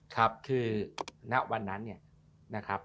ครับคือณวันนั้นเนี่ยนะครับ